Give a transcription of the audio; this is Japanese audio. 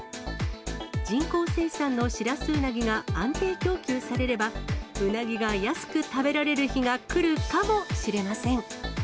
人工生産のシラスウナギが安定供給されれば、ウナギが安く食べられる日が来るかもしれません。